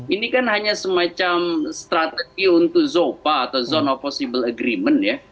ini kan hanya semacam strategi untuk zopa atau zone of possible agreement ya